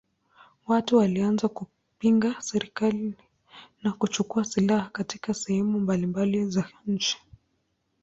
Watu walianza kupinga serikali na kuchukua silaha katika sehemu mbalimbali za nchi.